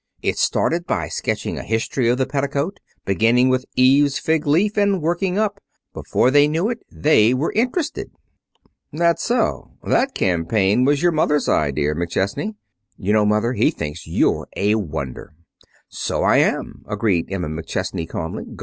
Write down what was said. It started by sketching a history of the petticoat, beginning with Eve's fig leaf and working up. Before they knew it they were interested.' "'That so? That campaign was your mother's idea, McChesney.' You know, Mother, he thinks you're a wonder." "So I am," agreed Emma McChesney calmly.